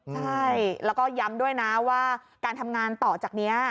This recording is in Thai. ใช่แล้วก็ย้ำด้วยนะว่าการทำงานต่อจากนี้